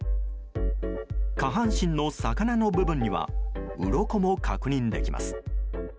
下半身の魚の部分にはうろこも確認できます。